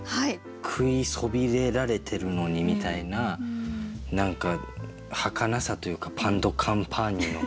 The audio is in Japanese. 「食いそびれられてるのに！」みたいな何かはかなさというか「パン・ド・カンパーニュ」の。